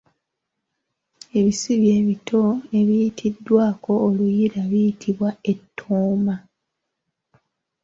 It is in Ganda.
Ebisubi ebito ebiyitiddwako oluyiira biyitibwa ettooma